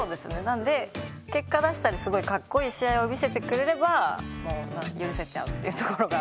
なので結果出したりすごいカッコいい試合を見せてくれればもう許せちゃうっていうところがあるので。